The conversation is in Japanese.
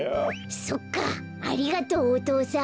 そっかありがとうお父さん。